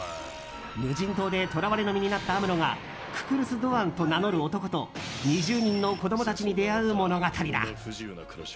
無人島で捕らわれの身になったアムロがククルス・ドアンと名乗る男と２０人の子供たちに出会う物語だ。